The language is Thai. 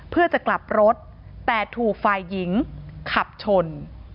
เพื่อจะกลับรถแต่ถูกฝ่ายหญิงขับชน